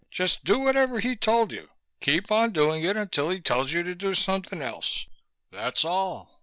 Just do whatever he told you. Keep on doing it until he tells you to do something else. That's all.